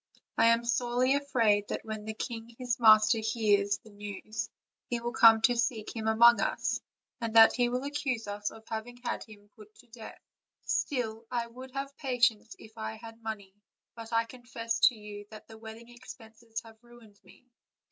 I am sorely afraid that when the king his master hears the news he will come to seek him among us, and that he will accuse us of having had him put to death. Still, I would have patience if I had money; but I confess to you thab the wedding expenses have ruined me.